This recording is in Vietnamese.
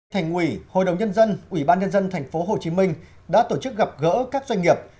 thành ủy hội đồng nhân dân ủy ban nhân dân tp hcm đã tổ chức gặp gỡ các doanh nghiệp